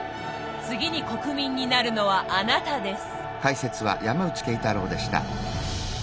次に国民になるのはあなたです。